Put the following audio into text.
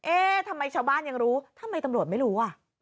เอ๊ะทำไมชาวบ้านยังรู้ทำไมตำรวจไม่รู้อ่ะ